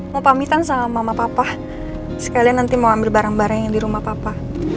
mau pamitan sama mama papa sekalian nanti mau ambil barang barang yang di rumah papa